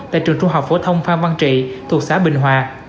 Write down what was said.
tại trường trung học phổ thông phan văn trị thuộc xã bình hòa